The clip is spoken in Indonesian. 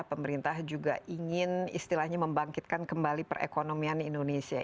pemerintah juga ingin istilahnya membangkitkan kembali perekonomian indonesia